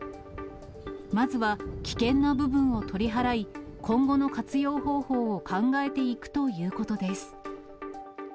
まずは危険な部分を取り払い、今後の活用方法を考えていくということです。